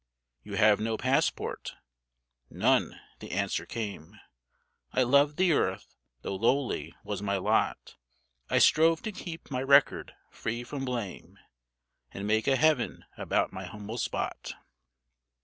"You have no passport?" "None," the answer came. "I loved the earth, tho' lowly was my lot. I strove to keep my record free from blame, And make a heaven about my humble spot.